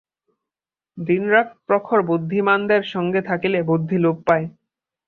দিনরাত প্রখর বুদ্ধিমানদের সঙ্গে থাকিলে বুদ্ধি লোপ পায়।